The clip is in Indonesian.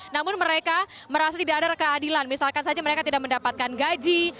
namun mereka merasa tidak ada keadilan misalkan saja mereka tidak mendapatkan gaji